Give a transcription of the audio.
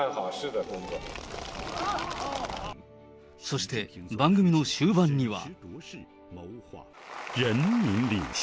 そして、番組の終盤には。